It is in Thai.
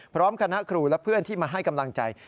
พร้อมคณะครูและเพื่อนที่มาให้กำลังใจ